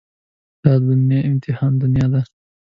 دا دنيا د امتحان دنيا ده.